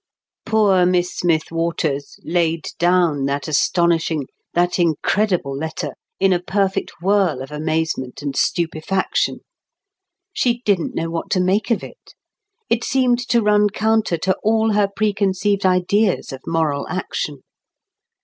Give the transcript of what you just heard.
Poor Miss Smith Waters laid down that astonishing, that incredible letter in a perfect whirl of amazement and stupefaction. She didn't know what to make of it. It seemed to run counter to all her preconceived ideas of moral action.